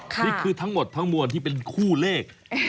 นี่คือทั้งหมดทั้งมวลที่เป็นคู่เลข